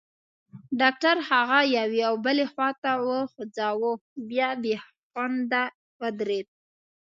ډاکټر هغه یوې او بلې خواته وخوځاوه، بیا بېخونده ودرېد.